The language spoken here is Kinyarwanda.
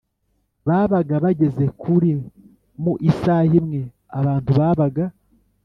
babaga bageze kuri Mu isaha imwe abantu babaga